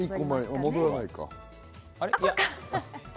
戻らないか。